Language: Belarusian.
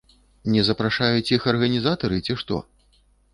Не запрашаюць іх арганізатары, ці што?